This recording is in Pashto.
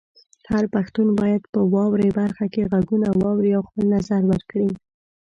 هر پښتون باید په "واورئ" برخه کې غږونه واوري او خپل نظر ورکړي.